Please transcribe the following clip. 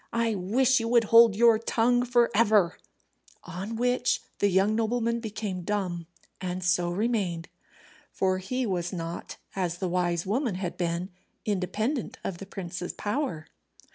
I wish you would hold your tongue for ever." On which the young nobleman became dumb, and so remained. For he was not, as the wise woman had been, independent of the prince's power.